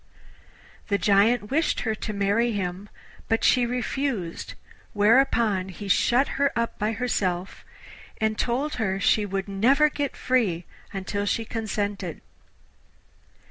The Giant wished her to marry him, but she refused; whereupon he shut her up by herself, and told her she would never get free until she consented.